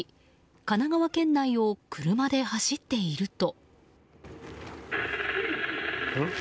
神奈川県内を車で走っていると。